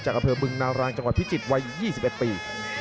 อำเภอบึงนารางจังหวัดพิจิตรวัย๒๑ปี